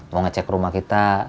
mau ngecek rumah kita